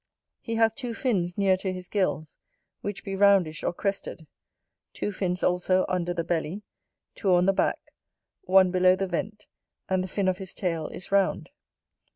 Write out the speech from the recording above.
He hath two fins near to his gills, which be roundish or crested; two fins also under the belly; two on the back; one below the vent; and the fin of his tail is round.